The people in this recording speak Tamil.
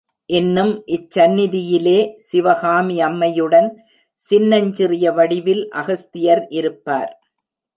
இன்னும் இச் சந்நிதியிலே சிவகாமி அம்மையுடன், சின்னஞ் சிறிய வடிவில் அகஸ்தியர் இருப்பார்.